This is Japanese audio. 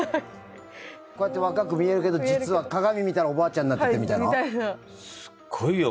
こうやって若く見えるけど実は鏡見たらおばあちゃんになっててみたいな？